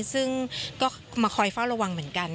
ซึ่งก็มาคอยเฝ้าระวังเหมือนกัน